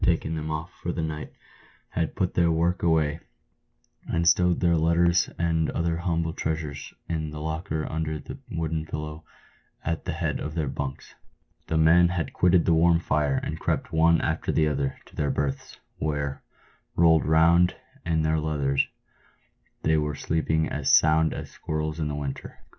taken them off for the night, had put their work away, and stowed their letters and other humble treasures in the locker under the wooden pillow at the head of their " bunks." The men had quitted the warm fire and crept one after another to their berths, where, rolled round in their leathers, they were sleeping as sound as squirrels in the winter.